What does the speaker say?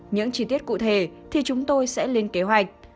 những chi tiết cụ thể thì chúng tôi sẽ lên kế hoạch